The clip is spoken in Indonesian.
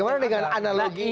bagaimana dengan analogi